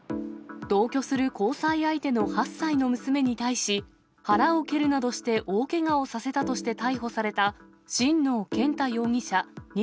同居する交際相手の８歳の娘に対し、腹を蹴るなどして大けがをさせたとして逮捕された新納健太容疑者